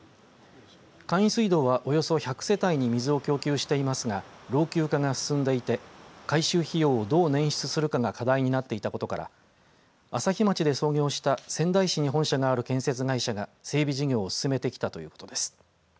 簡易水道はおよそ１００世帯に水を供給していますが老朽化が進んでいて改修費用をどう捻出するかが課題になっていたことから朝日町で創業した仙台市に本社がある建設会社が整備事業を進めてきたということです。